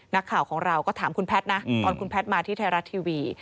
นักข่าวของเราก็ถามคุณแพทย์นะตอนคุณแพทย์มาที่ไทยรัฐทีวี